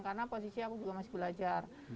karena posisi aku juga masih belajar